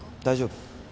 大丈夫。